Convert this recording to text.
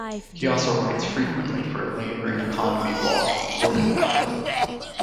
He also writes frequently for a labor and economy blog, Working Life.